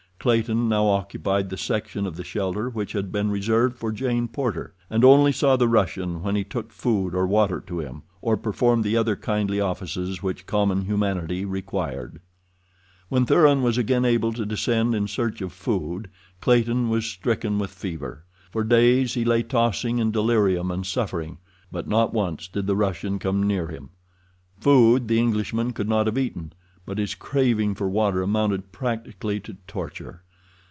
Clayton now occupied the section of the shelter which had been reserved for Jane Porter, and only saw the Russian when he took food or water to him, or performed the other kindly offices which common humanity required. When Thuran was again able to descend in search of food, Clayton was stricken with fever. For days he lay tossing in delirium and suffering, but not once did the Russian come near him. Food the Englishman could not have eaten, but his craving for water amounted practically to torture.